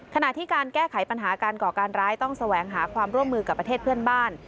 ขณะที่การแก้ไขปัญหาการก่อการร้ายต้องแสวงหาความร่วมมือกับประเทศเพื่อนบ้าน